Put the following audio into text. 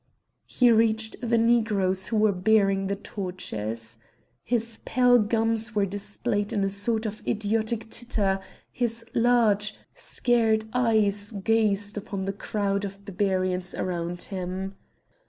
He reached the Negroes who were bearing the torches. His pale gums were displayed in a sort of idiotic titter; his large, scared eyes gazed upon the crowd of Barbarians around him.